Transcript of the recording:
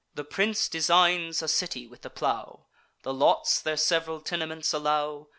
The prince designs a city with the plow; The lots their sev'ral tenements allow.